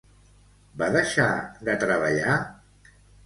Va deixar de treballar?